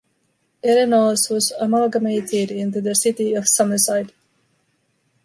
Eleanors was amalgamated into the City of Summerside